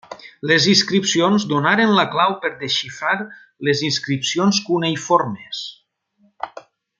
Les inscripcions donaren la clau per desxifrar les inscripcions cuneïformes.